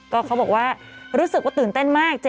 ก็เขาบอกว่ารู้สึกว่าตื่นเต้นมาก